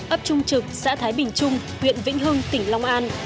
ấp trung trực xã thái bình trung huyện vĩnh hưng tỉnh long an